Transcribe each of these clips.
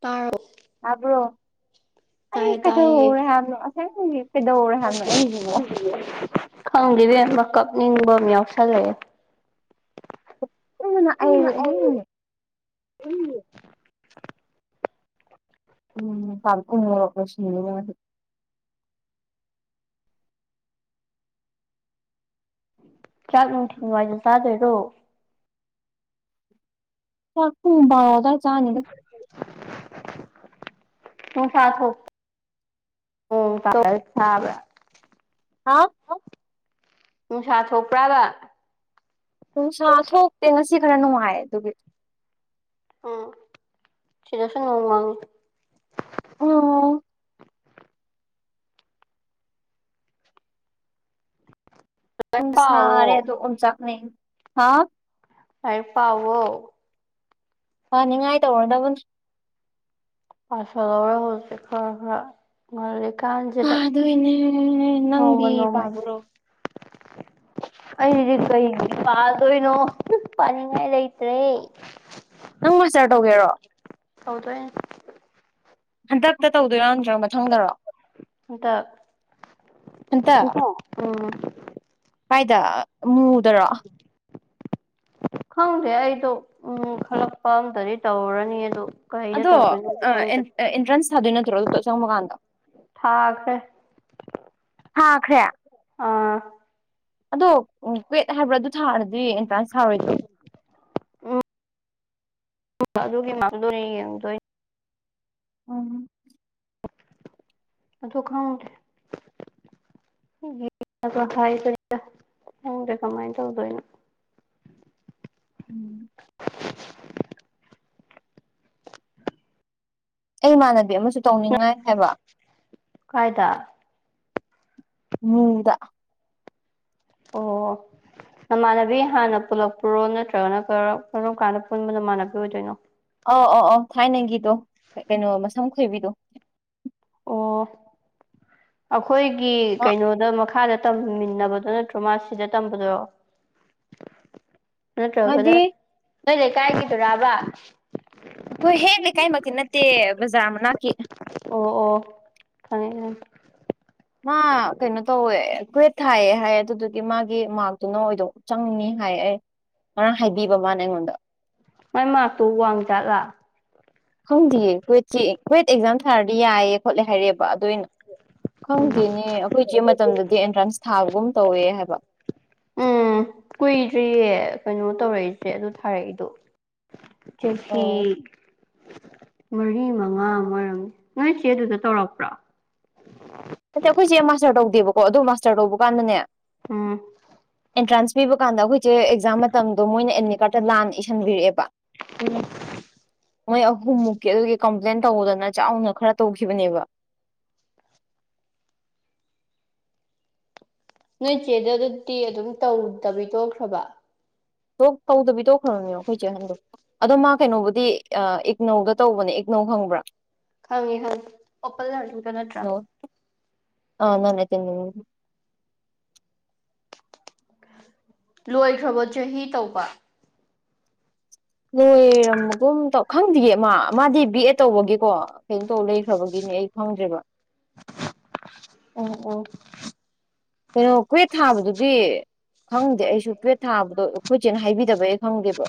ꯇꯔꯛ ꯑꯕꯣ ꯑꯩ ꯇꯥꯏꯌꯦ ꯀꯩꯗꯧꯔꯦ ꯍꯥꯏꯕꯅꯣ ꯉꯁꯥꯏ ꯀꯩꯗꯧꯔꯦ ꯍꯥꯏꯕꯅꯣ ꯑꯩꯁꯤꯕꯣ ꯃꯀꯞꯅꯤꯡꯕ ꯑꯃ ꯌꯥꯎꯁꯜꯂꯑꯦ ꯎꯝ ꯑꯩ ꯎꯝ ꯎ ꯎꯝ ꯀꯪ ꯃꯄꯔꯁ ꯆꯥꯛ ꯅꯨꯡꯊꯤ ꯋꯥꯏꯗ ꯆꯥꯗꯣꯏꯔꯣ ꯆ ꯊꯣꯡꯕꯥ ꯑꯣꯗ ꯆꯥꯅꯤꯗ ꯊꯨ ꯁꯥ ꯊꯣꯛ ꯎ ꯁꯥꯕ ꯍꯥ ꯅꯨꯡꯁꯥ ꯊꯣꯛꯄ꯭ꯔꯥꯕ ꯅꯨꯡꯁꯥ ꯊꯣꯛꯇꯦ ꯉꯁꯤ ꯈꯔ ꯅꯨꯡꯉꯥꯏ ꯑꯗꯨꯒꯤ ꯎꯝ ꯁꯤꯗꯁꯨ ꯅꯣꯡ ꯃꯥꯡꯉꯤ ꯑ ꯎꯨꯝ ꯁꯥꯔꯦ ꯄꯥꯎꯋꯣ ꯑꯗꯣ ꯑꯣꯟꯖꯥꯛꯅꯦ ꯍꯥ ꯀꯏ ꯄꯕꯣ ꯐꯅꯤꯡꯉꯥꯏ ꯇꯧꯔꯗꯕꯅꯤ ꯄꯁ ꯂꯧꯧꯔ ꯍꯁꯦ ꯈꯔ ꯈꯔꯔ ꯑ ꯑꯗꯨꯅꯦ ꯅꯣꯡꯃ ꯅꯪꯗꯤ ꯅꯣꯡꯃꯩ ꯄꯥꯕ꯭ꯔꯣ ꯑꯩꯗꯤ ꯀꯩ ꯄꯥꯗꯣꯏꯅꯣ ꯄꯥꯅꯤꯡꯉꯥꯏ ꯂꯩꯇ꯭ꯔꯦ ꯅꯪ ꯂꯣꯏꯆꯔ ꯇꯧꯒꯦꯔꯣ ꯍꯥꯎꯗ꯭ꯔꯦ ꯍꯟꯗꯛꯇ ꯇꯧꯗꯣꯏꯔꯥ ꯅꯠꯇ꯭ꯔꯣ ꯃꯊꯪꯗꯔꯣ ꯍꯟꯇꯛ ꯎꯨꯡꯀꯣ ꯀꯥꯏꯗ ꯃꯨꯗꯔꯣ ꯈꯪꯗꯦ ꯑꯩꯗꯣ ꯎꯝ ꯈꯂꯛꯄ ꯑꯝꯇꯗꯤ ꯇꯧꯔꯅꯤ ꯑꯗ ꯑꯗꯣ ꯑꯦꯟꯇ꯭ꯔꯥꯟꯁ ꯊꯥꯗꯣꯏ ꯅꯠꯇ꯭ꯔꯣ ꯑꯗꯨ ꯆꯪꯕ ꯀꯥꯟꯗ ꯊꯥꯀꯦ ꯍꯥꯥꯈ꯭ꯔꯦ ꯑꯥ ꯑꯗꯣ ꯀꯋꯦꯠ ꯍꯥꯏꯕ꯭ꯔꯥ ꯑꯗꯨ ꯊꯥꯔꯗꯤ ꯑꯦꯟꯇ꯭ꯔꯥꯟꯁ ꯊꯥꯔꯣꯏꯗ꯭ꯔꯣ [unintelligible] ꯁꯥꯖꯒꯤ ꯃꯥꯥꯡꯗ ꯅ ꯌꯦꯗ ꯎꯝ ꯁꯨ ꯈꯥꯎꯗꯦ ꯍꯥꯏꯗꯣꯏ ꯈꯪꯗ꯭ꯔꯦ ꯀꯃꯥꯏꯅ ꯇꯧꯗꯣꯏꯅꯣ ꯎꯝ ꯑꯩ ꯏꯃꯥꯟꯅꯕꯤ ꯑꯃꯁꯨ ꯅꯪ ꯇꯧꯅꯤꯡꯉꯥꯏ ꯍꯥꯏꯕ ꯀꯥꯏꯗ ꯎꯝꯗ ꯑꯣ ꯅꯃꯥꯟꯅꯕꯤ ꯍꯥꯟꯅ ꯄꯨꯜꯂꯛꯄꯨꯔꯣ ꯅꯠꯇ꯭ꯔꯒꯅ ꯀꯔꯝ ꯀꯥꯟꯗ ꯄꯨꯟꯕ ꯅꯃꯥꯟꯅꯕꯤ ꯑꯣꯏꯗꯣꯏꯅꯣ ꯑꯧ ꯑꯧ ꯑꯧ ꯊꯥꯏꯅꯒꯤꯗꯣ ꯀꯩꯅꯣ ꯃꯁꯝ ꯈꯣꯏꯕꯤꯗꯣ ꯑꯣ ꯑꯩꯈꯣꯏꯒꯤ ꯃꯥ ꯀꯩꯅꯣꯗ ꯃꯈꯥꯗ ꯇꯝꯃꯤꯟꯅꯕꯗꯣ ꯅꯠꯇ꯭ꯔꯣ ꯃꯥ ꯁꯤꯗ ꯇꯝꯕꯗꯣ ꯅꯠꯇ꯭ꯔꯒꯗ ꯍꯥꯏꯗꯤ ꯅꯣꯏ ꯂꯩ ꯀꯥꯏꯒꯗꯨꯔꯥꯕ ꯑꯩꯈꯣꯏ ꯍꯦꯛ ꯂꯩꯀꯥꯏꯃꯛꯇꯤ ꯅꯠꯇꯦ ꯕꯖꯥꯔ ꯃꯅꯥꯛꯀꯤ ꯑꯣ ꯑꯣ ꯈꯪꯉꯦ ꯈꯪꯉꯦ ꯃꯥ ꯀꯩꯅꯩꯅꯣ ꯇ ꯒ꯭ꯔꯦꯠ ꯊꯥꯏꯌꯦꯦ ꯍꯥꯏꯌꯦ ꯑꯗꯨꯗꯨꯗꯤ ꯃꯥꯒꯤ ꯃꯥꯔꯛꯇꯨꯅ ꯑꯣꯏꯗꯣꯛ ꯆꯪꯅꯤ ꯍꯥꯏ ꯑꯩ ꯉꯔꯥꯡ ꯍꯥꯏꯕꯤꯕ ꯃꯥꯅꯦ ꯑꯩꯉꯣꯟꯗ ꯃ ꯃꯥꯇꯣ ꯋꯥꯡ ꯆꯠꯂ ꯁꯥꯔꯗꯤ ꯌꯥꯏꯌꯦ ꯈꯣꯠꯂꯦ ꯍꯥꯏꯔꯛꯦꯕ ꯑꯗꯨꯏꯅ ꯈꯪꯗꯦꯅꯦ ꯑꯩꯈꯣꯏ ꯏ ꯆꯦ ꯃꯇꯝꯗꯗꯤ ꯦ ꯑꯦꯟꯇ꯭ꯔꯥꯟꯁ ꯊꯥꯕꯒꯨꯝ ꯇꯧꯋꯦ ꯍꯥꯏꯕ ꯎꯝ ꯀꯨꯏꯗ꯭ꯔꯤꯌꯦ ꯀꯩꯅꯣ ꯇꯧꯔꯛꯏꯁꯦ ꯑꯗꯨ ꯊꯥꯔꯛꯏꯗꯣ ꯆꯁꯤ ꯑꯣ ꯃꯔꯤ ꯃꯉꯥ ꯑꯣꯏꯔꯝꯅꯤ ꯅꯣꯏ ꯆꯦ ꯑꯗꯨꯗ ꯇꯧꯔꯛꯄ꯭ꯔꯥ ꯅꯠꯇꯦ ꯑꯩꯈꯣꯏꯁꯦ ꯃꯥꯁꯇꯔ ꯇꯧꯗꯦꯕꯀꯣ ꯑꯗꯨ ꯃꯥꯁꯇꯔ ꯇꯧꯕ ꯀꯥꯟꯗꯅꯦ ꯎꯝ ꯑꯦꯟꯇ꯭ꯔꯥꯟꯁ ꯄꯤꯕ ꯀꯥꯟꯗ ꯑꯩꯈꯣꯏꯁꯦ ꯑꯦꯛꯖꯥꯝ ꯃꯇꯝꯗꯣ ꯃꯣꯏꯅ ꯑꯦꯗꯃꯤꯠ ꯀꯥꯔꯠꯇ ꯂꯥꯟꯅ ꯏꯁꯤꯟꯕꯤꯔꯛꯑꯦꯕ ꯎꯝ ꯃꯣꯏ ꯑꯍꯨꯝꯃꯨꯛꯀꯤ ꯑꯗꯨꯒꯤ ꯀꯝꯄ꯭ꯂꯦꯟ ꯇꯧꯕꯗꯅ ꯆꯥꯎꯅ ꯈꯔ ꯇꯧꯈꯤꯕꯅꯦꯕ [inaudible] ꯅꯣꯏ ꯏꯆꯦꯗ ꯑꯗꯨꯗꯤ ꯑꯗꯨꯝ ꯇꯧꯗꯕꯤ ꯇꯣꯛꯈ꯭ꯔꯕ ꯇꯧꯗꯕꯤ ꯇꯧꯈ꯭ꯔꯕꯅꯦꯕ ꯑꯩꯈꯣꯏꯁꯦꯍꯟꯗꯣ ꯑꯗꯣ ꯃꯥ ꯀꯩꯅꯣꯕꯨꯗꯤ ꯏꯛꯅꯧꯒ ꯇꯧꯕꯅꯦ ꯏꯛꯅꯧ ꯈꯪꯕ꯭ꯔꯥ ꯈꯪꯉꯤ ꯈꯪꯉ ꯑꯣꯄꯜ ꯂꯗ ꯅꯠꯇ꯭ꯔꯥ ꯑꯥ ꯅꯥꯟꯥꯏꯇ ꯂꯣꯏꯈ꯭ꯔꯕꯣ ꯆꯍꯤ ꯇꯧꯕ ꯂꯣꯏꯔꯝꯕꯒꯨꯝ ꯈꯪꯗꯒꯦ ꯃꯥ ꯃꯥꯗꯤ ꯕꯤ ꯑꯦ ꯇꯧꯕꯒꯤꯀꯣ ꯀꯩꯝꯇꯧ ꯂꯩꯈ꯭ꯔꯕꯒꯤꯅꯦ ꯑꯩ ꯐꯪꯗ꯭ꯔꯦꯕ ꯑꯣ ꯑꯣ ꯀꯩꯅꯣ ꯀꯨꯏꯦꯠ ꯊꯥꯕꯗꯨꯗꯤ ꯈꯪꯗꯦ ꯑꯩꯁꯨ ꯄꯦꯠ ꯊꯥꯕꯗꯣ ꯑꯩꯈꯣꯏꯁꯦꯅ ꯍꯥꯏꯕꯤꯗꯕ ꯑꯩ ꯈꯪꯗꯦꯕ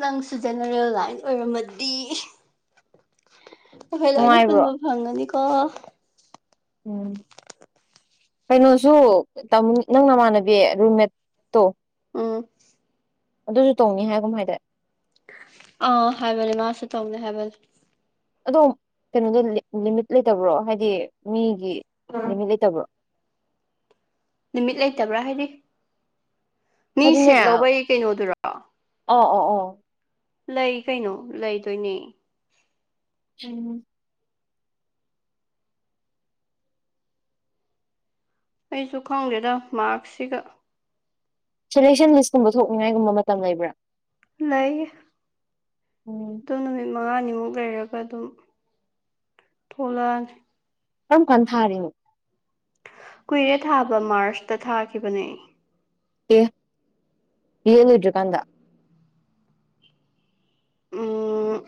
ꯅꯪꯁꯨ ꯖꯦꯅꯔꯦꯜꯂꯥꯏꯁ ꯑꯣꯏꯔꯝꯃꯗꯤ ꯑꯩꯈꯩ ꯂꯣꯏꯅ ꯅꯨꯡꯉꯥꯏꯕ꯭ꯔꯣ ꯄꯨꯟꯕ ꯐꯪꯒꯅꯤꯀꯣ ꯎꯝ ꯀꯩꯅꯣꯁꯨ ꯅꯪ ꯅꯃꯥꯟꯅꯕꯤ ꯔꯨꯝꯃꯦꯠꯇꯣ ꯎꯝ ꯑꯗꯨꯁꯨ ꯇꯧꯅꯤ ꯍꯥꯏꯒꯨꯝ ꯍꯥꯏꯗꯤ ꯑ ꯍꯥꯏꯕ ꯂꯩ ꯃꯥꯁꯦ ꯇꯣꯡꯅꯦ ꯍꯥꯏꯕ ꯑꯗꯣꯝ ꯀꯩꯅꯣꯗ ꯂꯤꯃꯤꯠ ꯂꯩꯇꯕ꯭ꯔꯣ ꯍꯥꯏꯗꯤ ꯃꯤꯒꯤ ꯎꯝ ꯂꯤꯃꯤꯠ ꯂꯩꯇꯕ꯭ꯔꯣ ꯅꯨꯃꯤꯠ ꯂꯩꯇꯕ꯭ꯔꯥ ꯍꯥꯏꯔꯤ ꯃꯤ ꯍꯥꯏꯗꯤꯅꯦ ꯁꯤꯠ ꯑ ꯂꯧꯕꯩ ꯀꯩꯅꯣꯗꯨꯔꯣ ꯍ ꯂꯩ ꯀꯩꯅꯣ ꯂꯩꯗꯣꯏꯅꯦ ꯎꯝ ꯑꯩꯁꯨ ꯈꯪꯗꯦꯗ ꯃꯥꯔꯛꯁꯤꯒ ꯁꯦꯂꯦꯛꯁꯟ ꯂꯤꯁꯀꯨꯝꯕ ꯊꯣꯛꯅꯤꯡꯉꯥꯏꯒꯨꯝꯕ ꯃꯇꯝ ꯂꯩꯕ꯭ꯔꯥ ꯂꯩꯥꯏ ꯎꯝ ꯗꯣꯅ ꯃꯉꯥꯅꯤꯃꯨꯛ ꯂꯩꯔꯒ ꯑꯗꯨꯝ ꯊꯣꯛꯂꯛꯑꯅꯤ ꯀꯝ ꯀꯟꯊꯥꯔꯤꯅꯣ ꯀꯨꯏꯔꯦ ꯊꯥꯕ ꯃꯥꯔꯁꯇ ꯊꯥꯈꯤꯕꯅꯦ ꯀ ꯌꯦ ꯅꯨꯖꯀꯥꯟꯗ ꯑ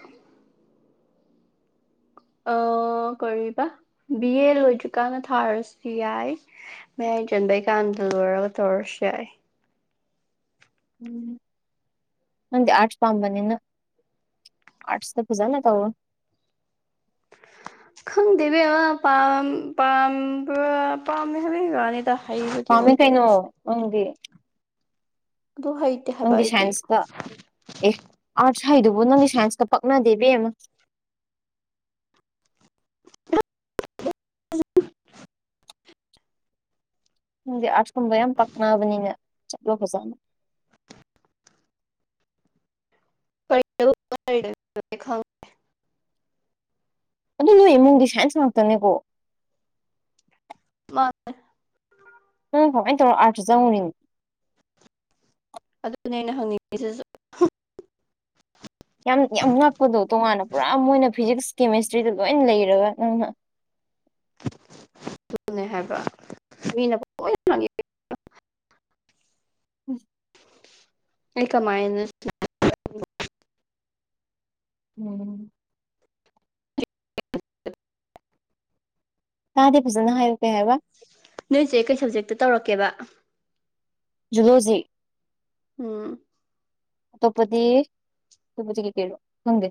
ꯀꯔꯤꯕ ꯕꯤ ꯑꯦ ꯂꯣꯏꯗ꯭ꯔꯤꯀꯥꯟꯗ ꯊꯥꯔꯁꯨ ꯌꯥꯏ ꯍ ꯆꯟꯕꯩ ꯀꯥꯟꯗ ꯂꯣꯏꯔꯒ ꯇꯧꯔꯁꯨ ꯌꯥꯏ ꯎ ꯅꯗꯤ ꯑꯔꯠꯁ ꯐꯥꯝꯅꯤꯅ ꯑꯔꯠꯁꯇ ꯐꯖꯅ ꯇꯕꯨ ꯨꯡ ꯗꯕꯤ ꯑ ꯄꯝ ꯄꯝ ꯄꯝꯃꯦ ꯍꯥꯏꯕꯤ ꯀꯅꯤꯗ ꯄꯥꯝꯃꯦ ꯀꯩꯅꯣ ꯅꯪꯗꯤ ꯑꯗꯨ ꯍꯩꯇꯦ ꯍꯥꯏꯕ ꯅꯪꯒꯤ ꯑꯩꯗꯤ ꯁꯥꯏꯟꯁꯀ ꯑꯦ ꯑꯥꯔꯠꯁ ꯍꯥꯏꯗꯨꯕꯨ ꯅꯪꯒꯤ ꯁꯥꯏꯟꯁꯀ ꯃꯥꯗꯦꯕꯤꯤ ꯑꯃꯃ ꯪꯗꯤ ꯑꯥꯁꯀꯨꯝꯕ ꯌꯥꯝ ꯄꯛꯅꯑꯅꯕꯅꯤꯅ ꯆꯠꯂꯣ ꯐꯖꯥꯅ [unintelligible] ꯑꯗꯨ ꯅꯣꯏ ꯏꯃꯨꯡꯗꯤ ꯁꯥꯏꯟꯁ ꯉꯥꯛꯇꯅꯦꯀꯣ ꯃꯥ ꯎꯝ ꯀꯃꯥꯏꯅ ꯇꯧꯔꯣ ꯑꯥꯔꯁꯨ ꯆꯪꯉꯔꯤ ꯑꯗꯨꯅꯦ ꯑꯩꯅ ꯍꯪꯅꯤꯡꯉꯤꯁꯤꯁꯨ ꯌꯥꯝ ꯌꯥꯝ ꯉꯛꯄꯗꯣ ꯇꯣꯉꯥꯟꯅ ꯄꯨꯔꯥ ꯃꯣꯏꯅ ꯐꯤꯖꯤꯛꯁ ꯀꯦꯃꯤꯁꯇ꯭ꯔꯤꯗꯨ ꯂꯣꯏ ꯂꯩꯔꯒ ꯅꯪꯅ ꯑꯗꯨꯅꯦ ꯍꯥꯏꯕ ꯃꯤꯅ ꯂꯣꯏꯪ ꯎ ꯑꯩ ꯀꯃꯥꯏꯅꯁ ꯎꯝ ꯀꯥꯗꯦ ꯐꯖꯅ ꯍꯥꯏꯌꯣ ꯅꯣꯏꯁꯦ ꯀꯩ ꯁꯕꯖꯦꯛꯇ ꯇꯧꯔꯛꯀꯦꯕ ꯂꯣꯖꯤꯩ ꯎꯝ ꯇꯧꯄꯗꯤ ꯇꯧꯄꯇ ꯀ ꯀꯦꯔꯣ ꯍꯨꯡꯗꯦ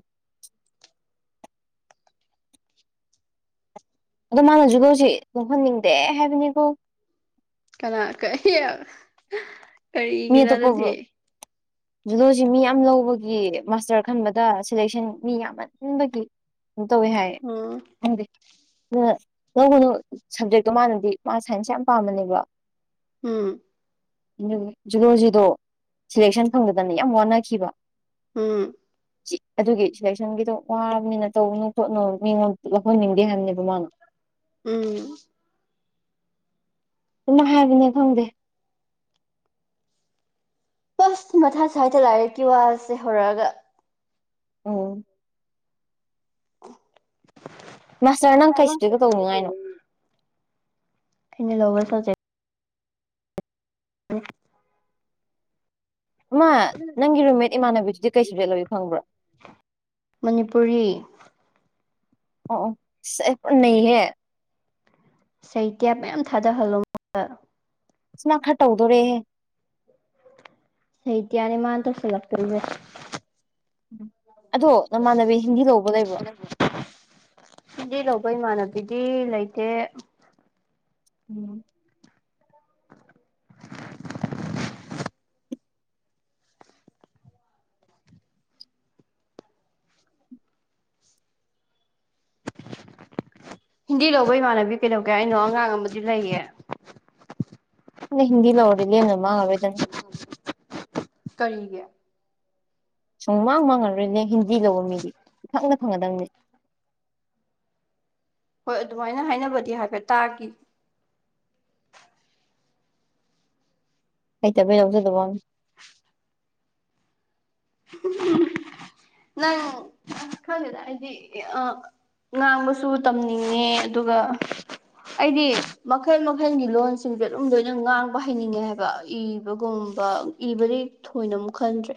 ꯑꯗꯣ ꯃꯥꯅ ꯖꯤꯕ ꯍꯧꯖꯤ ꯂꯣꯡꯍꯟꯅꯤꯡꯗꯦ ꯍꯥꯏꯕꯅꯤꯀꯣ ꯀꯅꯥ ꯀꯔꯤ ꯀꯔꯤꯒꯤꯅꯣ ꯑꯗꯨꯗꯤ ꯂꯣꯁꯤ ꯃꯤ ꯌꯥꯝ ꯂꯧꯕꯒꯤ ꯃꯥꯁꯇꯔ ꯈꯟꯕꯗ ꯁꯦꯂꯦꯛꯁꯟ ꯃꯤ ꯌꯥꯝꯃꯟꯕꯒꯤ ꯇꯧꯋꯤ ꯍꯥꯏ ꯎꯝ ꯈꯪꯗꯦ ꯑꯗꯨꯅ ꯅꯧꯕꯅꯨ ꯁꯕꯖꯦꯛꯇꯣ ꯃꯥꯅꯗꯤ ꯃꯥ ꯁꯥꯏꯟꯁ ꯌꯥꯝ ꯄꯥꯝꯃꯅꯦꯕ ꯎꯝ ꯖꯂꯣꯖꯤꯗꯣ ꯁꯤꯦꯂꯦꯛꯁꯟ ꯐꯪꯗꯗꯅ ꯌꯥꯝ ꯋꯥꯅꯈꯤꯕ ꯎꯝ ꯑꯗꯨꯒꯤ ꯁꯂꯦꯛꯁꯟꯒꯤꯗꯣ ꯋꯥꯕꯅꯤꯅ ꯇꯧꯅꯨ ꯈꯣꯠꯅꯨ ꯃꯤꯉꯣꯟꯝ ꯂꯧꯍꯟꯅꯤꯡꯗꯦ ꯍꯥꯏꯕꯅꯦꯕ ꯃꯥꯅ ꯎꯝ ꯀꯅ ꯍꯥꯏꯕꯅꯦ ꯈꯪꯗꯦ ꯁ ꯃꯊꯥ ꯁ꯭ꯋꯥꯏꯗ ꯂꯥꯏꯔꯤꯛꯀꯤ ꯋꯥꯁꯦ ꯍꯧꯔꯛꯑꯒ ꯎꯝ ꯃꯁꯇꯔ ꯅꯪꯈꯩꯁꯤꯗꯤ ꯀꯗꯧ ꯅꯨꯡꯉꯥꯏꯅꯣ ꯑꯩꯅ ꯂꯧꯔꯁ ꯆ ꯍ ꯃꯥꯃ ꯅꯪꯒꯤ ꯔꯨꯝꯃꯦꯠ ꯏꯃꯥꯟꯅꯕꯤꯗꯨꯗꯤ ꯀꯩꯁꯨ ꯔꯦꯠ ꯂꯣꯏꯒꯦ ꯐꯪꯕ꯭ꯔꯥ ꯃꯅꯤꯄꯨꯔꯤ ꯑꯣ ꯁꯤꯦ ꯅꯍ ꯁꯩꯇ꯭ꯌꯥ ꯃꯌꯥꯝ ꯊꯥꯗꯍꯜꯂꯣ ꯁꯅꯥ ꯈ ꯇꯧꯗꯧ ꯔꯦꯍꯦ ꯁꯩꯇꯌꯥꯅꯤ ꯃꯥꯅꯇ꯭ꯔꯁ ꯂꯥꯛꯀꯁ ꯎꯝ ꯑꯗꯣ ꯅꯃꯥꯟꯅꯕꯤ ꯍꯤꯟꯗꯤ ꯂꯧꯕ ꯂꯩꯕ꯭ꯔꯣ ꯑꯗꯨꯗꯤ ꯂꯩꯇꯦ ꯎꯝ [unintelligible] ꯍꯤꯟꯗꯤ ꯂꯧꯕ ꯏꯃꯥꯟꯅꯕꯤ ꯀꯩꯗꯧꯒꯦ ꯍꯥꯏꯩꯅꯣ ꯑꯉꯥꯡ ꯑꯃꯗꯤ ꯂꯩꯌꯦ ꯍꯤꯟꯗꯤ ꯂꯧꯔ ꯂꯅꯃ ꯑꯣꯏꯔꯗꯅꯤ ꯀꯔꯤꯒꯤ ꯁꯨꯡꯃꯥꯡ ꯃꯥꯡꯉꯔꯣꯏꯅꯦ ꯍꯤꯟꯗꯤ ꯂꯧꯕ ꯃꯤꯗꯤ ꯏꯊꯛꯅ ꯐꯗꯅꯦ ꯍꯣꯏ ꯑꯗꯨꯃꯥꯏꯅ ꯍꯥꯏꯅꯕꯗꯤ ꯍꯥꯏꯐꯦꯠ ꯇꯥꯈꯤ ꯑꯩ ꯇꯕꯤ ꯂꯧꯖꯗꯕ ꯅꯪ ꯈꯗ ꯑꯗꯨꯗꯤ ꯑ ꯉꯥꯡꯕꯁꯨ ꯇꯝꯅꯤꯡꯉꯦ ꯑꯗꯨꯒ ꯑꯩꯗꯤ ꯃꯈꯜ ꯃꯈꯜꯒꯤ ꯂꯣꯟꯁꯤꯡꯁꯦ ꯑꯗꯨꯝ ꯂꯣꯏꯅ ꯉꯥꯡꯕ ꯍꯩꯅꯤꯡꯉꯦ ꯍꯥꯏꯕ ꯏꯕꯒꯨꯝ ꯏꯕꯗꯤ ꯊꯣꯏꯅ ꯑꯃꯨꯛ ꯈꯟꯗ꯭ꯔꯦ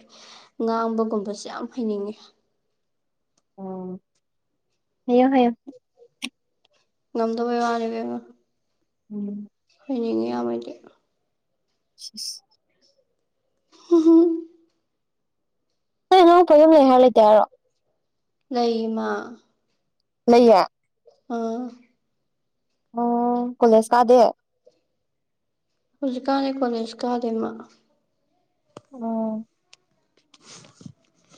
ꯉꯥꯡꯕꯒꯨꯝꯕꯁꯦ ꯌꯥꯝ ꯍꯩꯅꯤꯡꯉꯦ ꯍ ꯍꯌꯦꯌ ꯉꯝꯗꯕ ꯋꯥꯔꯦ ꯀꯉ ꯎꯝ ꯉ ꯌꯥꯃꯗꯤ ꯁꯤꯁ [unintelligible] ꯍ ꯅꯪ ꯄꯝ ꯂꯩ ꯍꯥꯏꯔ ꯂꯩꯇꯦ ꯍꯥꯏꯔꯣ ꯂꯩꯃ ꯂꯩꯌꯦ ꯑꯥ ꯑꯣ ꯀꯣꯂꯦꯖ ꯀꯥꯗꯦ ꯍꯧꯖꯤꯛ ꯀꯥꯟꯂ ꯀꯣꯂꯦ ꯍꯧꯖꯤꯛ ꯀꯥꯗꯦꯃ ꯑꯣ [unintelligible]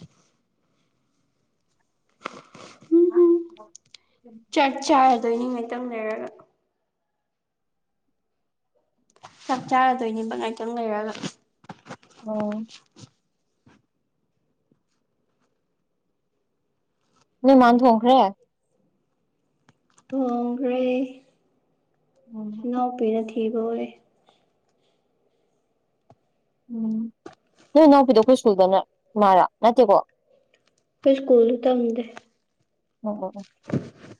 [unintelligible] [unintelligible] ꯂꯣꯏꯅꯤꯡꯉꯩ ꯇꯝ ꯂꯩꯔꯒ ꯆꯥꯛ ꯆꯥꯔꯗꯣꯏꯅꯦꯕ ꯉꯥꯏꯇꯪ ꯂꯩꯔꯒ ꯑꯣ ꯅꯃꯥꯟꯗꯣꯡꯈ꯭ꯔꯦ ꯑꯣꯣꯡꯈ꯭ꯔꯦ ꯎꯝ ꯏꯅꯥꯎꯄꯤꯅꯕꯣꯦ ꯎꯝ ꯅꯣꯏ ꯏꯅꯥꯎꯄꯤꯗ ꯑꯩꯈꯣꯏ ꯁ꯭ꯀꯨꯜꯗꯅ ꯏꯃꯥꯔꯥ ꯅꯠꯇꯦꯀꯣ ꯐ ꯁ꯭ꯀꯨꯜ ꯇ ꯍꯗ ꯑꯣ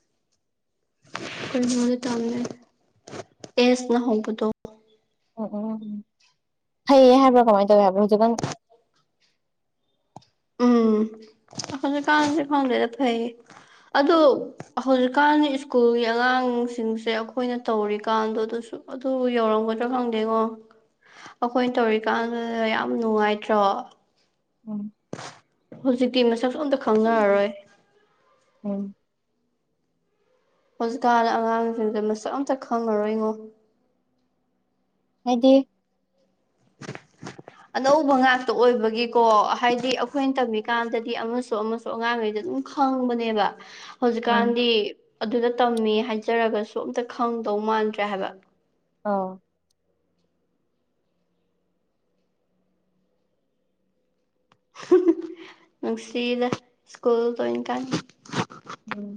[unintelligible] ꯀ ꯇꯝꯃꯦ ꯑꯦꯅ ꯍꯧꯕꯗꯣ ꯎꯝ ꯎꯝ ꯎꯝ ꯎꯝ ꯐꯩꯌꯦ ꯍꯥꯏꯕ꯭ꯔꯣ ꯀꯃꯥꯏꯅ ꯇꯧꯋꯤ ꯍꯥꯏꯕ꯭ꯔꯣ ꯍꯧꯖꯤꯛꯀꯥꯟ [unintelligible] ꯎꯝ ꯍꯧꯖꯤꯛ ꯀꯁꯨ ꯈꯥꯎꯗ ꯆ ꯐꯌꯦ ꯑꯗꯣ ꯍꯧꯖꯤꯛꯀꯥꯟ ꯁ꯭ꯀꯨꯜꯒꯤ ꯑꯉꯥꯡꯁꯤꯡꯁꯦ ꯑꯩꯈꯣꯏꯅ ꯇꯧꯔꯤꯀꯥꯟꯗ ꯑꯗꯨꯁꯨ ꯑꯗꯨ ꯌꯧꯔꯝꯒꯗ꯭ꯔꯥ ꯈꯪꯗꯦꯀꯣ ꯑꯩꯈꯣꯏ ꯇꯧꯔꯤꯀꯥꯟꯗ ꯌꯥꯝ ꯅꯨꯡꯉꯥꯏꯇ꯭ꯔꯣ ꯎꯝ ꯍꯧꯖꯤꯛꯇꯤ ꯃꯁꯛꯁꯨ ꯑꯝꯇ ꯈꯪꯅꯔꯔꯣꯏ ꯎꯝ ꯍꯧꯖꯤꯛꯀꯥꯟꯗ ꯑꯉꯥꯡꯁꯤꯡꯁꯦ ꯃꯁꯛ ꯑꯝꯇꯛ ꯈꯪꯉꯔꯣꯏꯉꯣ ꯍꯥꯏꯗꯤ [unintelligible] ꯑꯅꯧꯕ ꯉꯥꯛꯇ ꯑꯣꯏꯕꯒꯤꯀꯣ ꯍꯥꯏꯗꯤ ꯑꯩꯈꯣꯏꯅ ꯇꯝꯃꯤꯀꯥꯟꯗꯗꯤ ꯑꯃꯁꯨ ꯑꯃꯁꯨ ꯑꯉꯥꯡꯉꯩꯗꯝ ꯈꯪꯕꯅꯦꯕ ꯎꯝ ꯍꯧꯖꯤꯛꯀꯥꯟꯗꯤ ꯑꯗꯨꯗ ꯇꯝꯃꯤ ꯍꯥꯏꯖꯔꯒꯁꯨ ꯑꯝꯇ ꯈꯪꯗꯧ ꯃꯥꯟꯗ꯭ꯔꯦ ꯍꯥꯏꯕ ꯑ ꯅꯨꯡꯁꯤꯗ ꯁ꯭ꯀꯨꯜꯗ ꯑꯣꯏꯅ ꯀꯥꯟ ꯎꯝ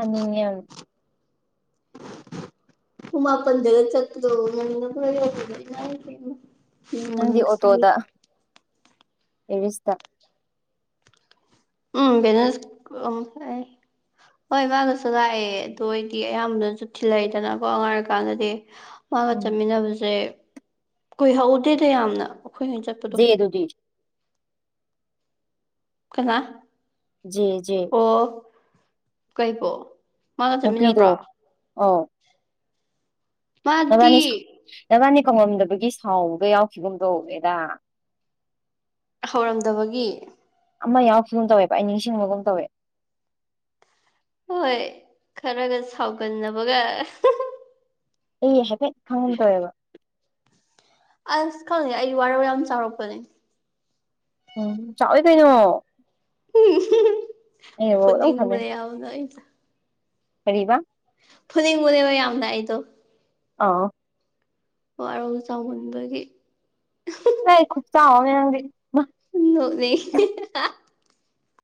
ꯑꯅꯤꯉ [unintelligible] ꯍꯨꯡ ꯃꯥꯄꯟ ꯒ ꯆꯠꯂꯧ ꯃꯅ ꯎꯝꯃ ꯅꯁꯤꯦ ꯑꯦꯁꯇ ꯎꯝ ꯕꯅ ꯎ ꯍꯣꯏ ꯃꯥꯒꯁꯨ ꯂꯥꯛꯑꯦ ꯑꯗꯨ ꯑꯣꯏꯗꯤ ꯑꯌꯥꯝꯕꯅꯁꯨ ꯊꯤꯜꯂꯛꯏꯗꯅꯀꯣ ꯉꯉꯥꯡꯔꯀꯥꯟꯗꯗꯤ ꯃꯥꯒ ꯎꯝ ꯆꯠꯃꯤꯟꯅꯕꯁꯦ ꯀꯨꯏꯍꯧꯗꯦꯗ ꯌꯥꯝꯅ ꯑꯩꯈꯣꯏꯍꯩꯅ ꯆꯠꯄꯗꯣ ꯖꯦꯗꯨꯗꯤ ꯀꯅꯥ ꯖꯤ ꯀꯩ ꯄꯣ ꯅꯨꯄꯤꯗꯣ ꯑꯥꯎ ꯔꯕꯥꯅꯤ ꯃꯥꯗꯤ ꯔꯕꯥꯅꯤ ꯀꯪꯉꯝꯗꯕꯒꯤ ꯁꯥꯎꯕꯗꯣ ꯌꯥꯎꯈꯤꯕꯒꯨꯝꯗꯣꯅꯦꯗꯥ ꯍꯧꯔꯝꯗꯕꯒꯤ ꯑꯃ ꯌꯥꯎꯔꯈꯤꯕꯒꯨꯝ ꯇꯧꯋꯦꯕ ꯑꯩ ꯅꯤꯡꯁꯤꯡꯕꯒꯨꯝ ꯇꯧꯋꯦ ꯍꯣꯏ ꯈꯔꯒ ꯁꯥꯎꯒꯟꯅꯕꯒ ꯑꯦ ꯍꯥꯏꯦꯛꯇꯦꯠ ꯈꯥꯎꯉꯟ ꯇꯦꯕ ꯑꯁ ꯈꯪꯉꯦ ꯑꯩ ꯋꯥꯔꯧ ꯌꯥꯝ ꯆꯥꯎꯔꯛꯄꯅꯦ ꯎꯝ ꯆꯥꯎꯋꯦ ꯀꯩꯅꯣ ꯑꯩꯅꯕꯨ ꯄꯨꯅꯤꯡꯕꯗ ꯌꯥꯎꯗꯏ ꯀꯔꯤꯔꯤꯕ ꯐꯅꯕꯨꯗꯦꯕ ꯌꯥꯝꯗꯏꯗꯣ ꯑꯥ ꯋꯥꯔꯧ ꯆꯥꯎꯃꯟꯕꯒꯤ ꯅ ꯈꯨꯠ ꯆ ꯃꯗꯤ ꯎ ꯅꯣꯡꯅꯤ